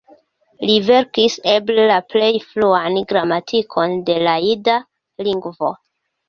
Li verkis eble la plej fruan gramatikon de la jida lingvo.